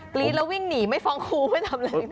รี๊ดแล้ววิ่งหนีไม่ฟ้องครูไม่ทำอะไร